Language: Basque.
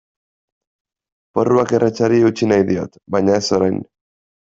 Porruak erretzeari utzi nahi diot baina ez orain.